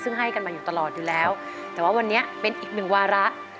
ซึ่งให้กันมาอยู่ตลอดอยู่แล้วแต่ว่าวันนี้เป็นอีกหนึ่งวาระ